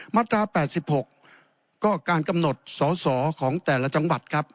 มาตรา๘๖ก็การกำหนดสอสอของแต่ละจังหวัดครับ